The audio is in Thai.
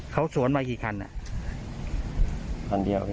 เขาสวนมากี่คันคันเดียว